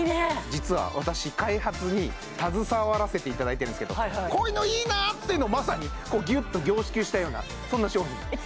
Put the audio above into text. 実は私開発に携わらせていただいてるんですけどこういうのいいなっていうのをまさにギュッと凝縮したようなそんな商品なんです